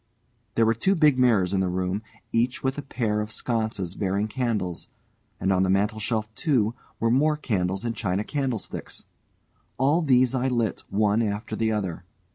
There were two big mirrors in the room, each with a pair of sconces bearing candles, and on the mantelshelf, too, were more candles in china candlesticks. All these I lit one after the other.